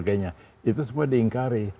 itu semua diingkari